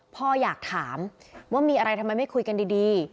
พ่ออยากถามว่ามีอะไรทำไมไม่คุยกันดี